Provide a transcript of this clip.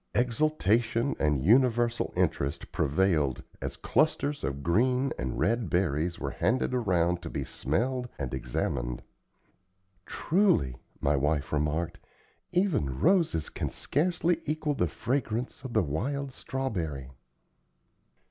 Exultation and universal interest prevailed as clusters of green and red berries were handed around to be smelled and examined. "Truly," my wife remarked, "even roses can scarcely equal the fragrance of the wild strawberry."